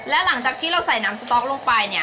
แล้วหลังจากที่เราใส่น้ำสต๊อกลงไปเนี่ย